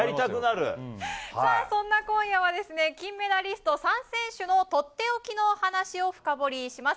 そんな今夜は金メダリスト３選手のとっておきの話を深掘りします。